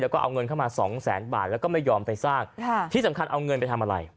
แล้วก็เอาเงินเข้ามาสองแสนบาทแล้วก็ไม่ยอมไปสร้างค่ะที่สำคัญเอาเงินไปทำอะไร